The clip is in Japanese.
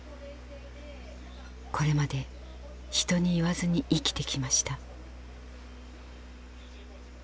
これまで人に言わずに生きてきました。